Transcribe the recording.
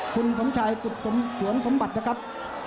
คุณสมชายกุฎสวนสมบัตินะครับ